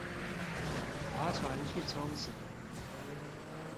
划船去沖繩